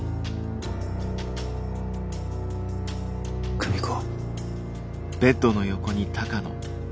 久美子。